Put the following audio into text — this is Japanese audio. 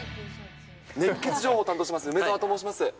熱ケツ情報を担当してます梅澤と申します。